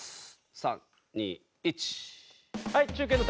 ３２１。